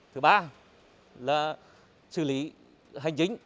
thứ ba là xử lý hành chính